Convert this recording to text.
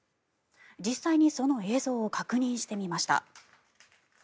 実際にその映像を確認してみました。